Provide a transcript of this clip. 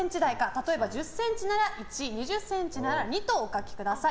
例えば１０ｃｍなら１２０ｃｍなら２とお書きください。